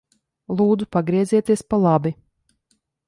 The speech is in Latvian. Lūdzu pagriezieties pa labi.